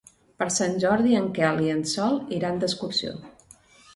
Per Sant Jordi en Quel i en Sol iran d'excursió.